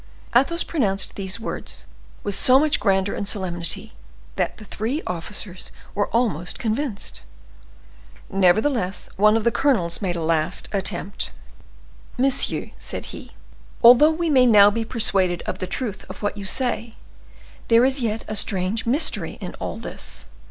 Athos pronounced these words with so much grandeur and solemnity, that the three officers were almost convinced. Nevertheless, one of the colonels made a last attempt. "Monsieur," said he, "although we may now be persuaded of the truth of what you say, there is yet a strange mystery in all this.